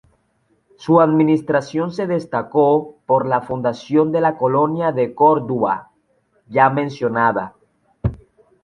Su administración se destacó por la fundación de la colonia de Corduba, ya mencionada.